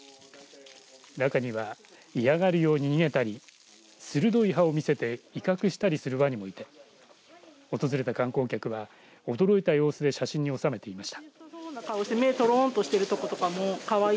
中には、嫌がるように逃げたり鋭い歯を見せて威嚇したりするわにもいて訪れた観光客は驚いた様子で写真に収めていました。